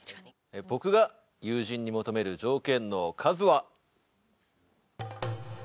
僕が友人に求める条件の数は。